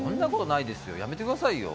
やめてくださいよ！